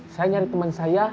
saya nyari temen saya